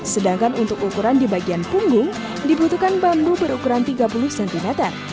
sedangkan untuk ukuran di bagian punggung dibutuhkan bambu berukuran tiga puluh cm